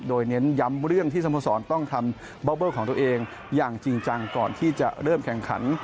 โดยเน้นย้ำเรื่องที่สโมสรต้องทำเบาเบอร์ของตัวเองอย่างจริงจังก่อนที่จะเริ่มแข่งขัน